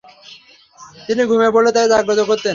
তিনি ঘুমিয়ে পড়লে তাঁকে জাগ্রত করতেন।